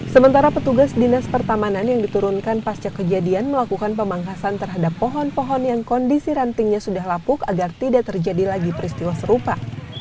sementara petugas dinas pertamanan yang diturunkan pasca kejadian melakukan pemangkasan terhadap pohon pohon yang kondisi rantingnya sudah lapuk agar tidak terjadi lagi peristiwa serupa